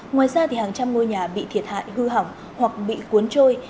ngoài ra hàng trăm ngôi nhà bị thiệt hại hư hỏng hoặc bị cuốn trôi